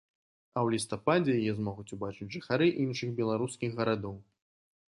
А ў лістападзе яе змогуць убачыць жыхары іншых беларускіх гарадоў.